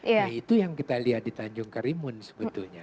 nah itu yang kita lihat di tanjung karimun sebetulnya